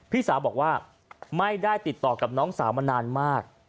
พี่สาวบอกว่าไม่ได้ติดต่อกับน้องสาวมานานมาก